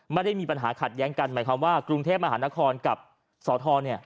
ไม่ได้มีปัญหาขัดแย้งกันหมายความว่ากรุงเทพมหานครกับสท